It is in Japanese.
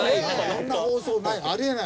こんな放送ない。